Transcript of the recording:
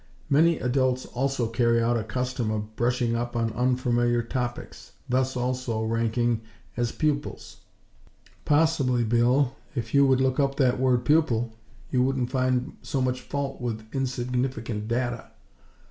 Many adults also carry out a custom of brushing up on unfamiliar topics; thus, also, ranking as pupils. Possibly, Bill, if you would look up that word 'pupil,' you wouldn't find so much fault with insignificant data."